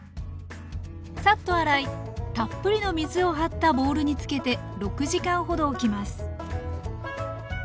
さっと洗いたっぷりの水を張ったボウルにつけて６時間ほどおきます